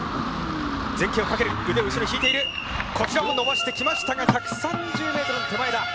こちらも伸ばしてきましたが１３０ｍの手前だ。